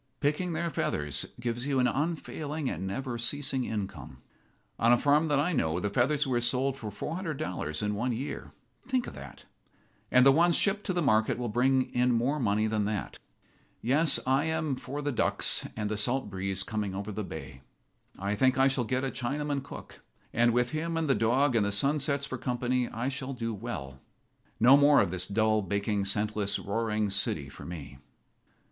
Picking their feathers gives you an unfailing and never ceasing income. On a farm that I know the feathers were sold for $400 in one year. Think of that! And the ones shipped to the market will bring in more money than that. Yes, I am for the ducks and the salt breeze coming over the bay. I think I shall get a Chinaman cook, and with him and the dog and the sunsets for company I shall do well. No more of this dull, baking, senseless, roaring city for me."